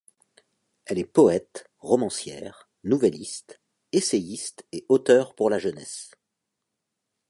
Elle est poète, romancière, nouvelliste, essayiste et auteure pour la jeunesse.